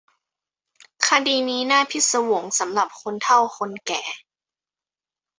คดีนี้น่าพิศวงสำหรับคนเฒ่าคนแก่